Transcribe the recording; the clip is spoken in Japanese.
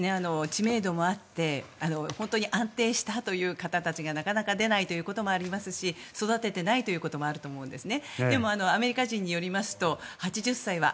知名度もあって本当に安定したという方たちがなかなか出ないということもありますし育ててないということもあると思うんです。